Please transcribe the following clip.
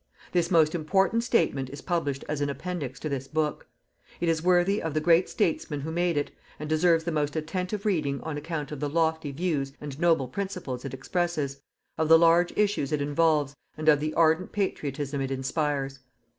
This most important statement is published as an appendix to this book. It is worthy of the great statesman who made it, and deserves the most attentive reading on account of the lofty views and noble principles it expresses, of the large issues it involves and of the ardent patriotism it inspires.